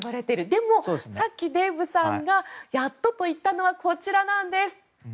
でも、さっきデーブさんがやっとと言ったのはこちらなんです。